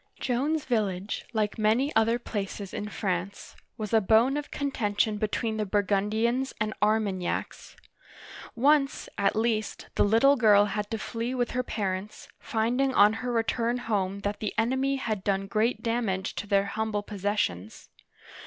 Joan's village, like many other places in France, was a bone of contention between the Burgundians and Ar magnacs. Once, at least, the little girl had to flee with her parents, finding on her return home that the enemy had done great damage to their humble possessions.